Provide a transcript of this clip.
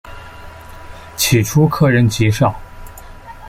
起初客人极少。